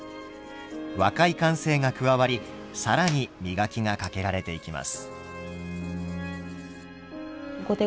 若い感性が加わり更に磨きがかけられていきます。